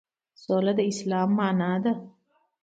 سوله د اسلام معنی ده